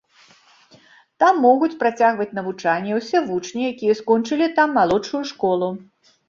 Там могуць працягваць навучанне ўсе вучні, якія скончылі там малодшую школу.